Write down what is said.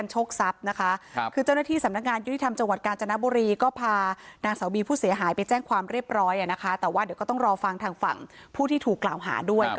จากทางฝั่งผู้เสียหายกับทางฝั่งคนที่ถูกกล่าวหานะคะ